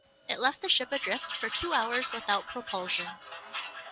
It left the ship adrift for two hours without propulsion.